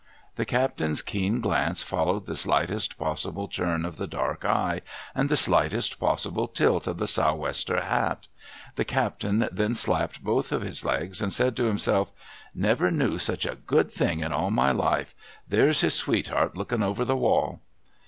The captain's keen glance followed the slightest possible turn of the dark eye, and the slightest possible tilt of the Sou' wester hat. The captain then slapped both his legs, and said to himself, —' Never knew such a good thing in all my life ! There's his sweetheart looking over the wall